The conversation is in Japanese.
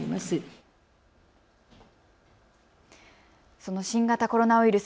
その新型コロナウイルス。